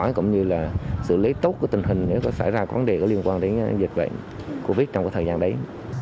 theo dõi cũng như là xử lý tốt của tình hình nếu có xảy ra có vấn đề liên quan đến dịch bệnh covid trong thời gian đấy